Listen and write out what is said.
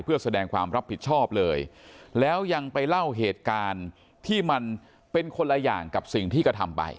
เพื่อแสดงความรับผิดชอบเลยแล้วยังไปเล่าเหตุการณ์ที่มันเป็นคนละอย่างกับสิ่งที่กระทำไป